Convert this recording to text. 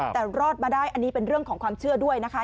แต่รอดมาได้อันนี้เป็นเรื่องของความเชื่อด้วยนะคะ